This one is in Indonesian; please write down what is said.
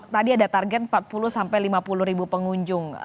tadi ada target empat puluh sampai lima puluh ribu pengunjung